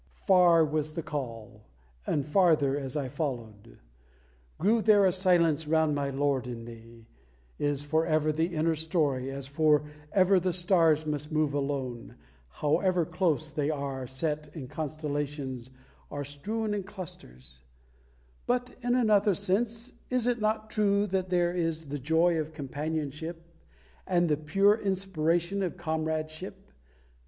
Far was the Call, and farther as I followed Grew there a silence round my Lord and me is for ever the inner story, as for ever the stars must move alone, however close they are set in constellations or strewn in clusters; but in another sense is it not true that there is the joy of companionship and the pure inspiration of comradeship?